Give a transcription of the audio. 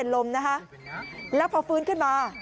กลุ่มตัวเชียงใหม่